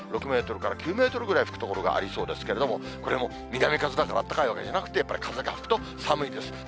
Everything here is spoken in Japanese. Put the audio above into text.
６メートルから９メートルぐらい吹く所がありそうですけれども、これも南風だからあったかいわけじゃなくて、やっぱり風が吹くと寒いです。